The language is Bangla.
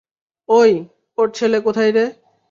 ওই, ওর ছেলে কোথায় রে?